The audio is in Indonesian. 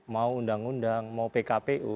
mau undang undang mau pkpu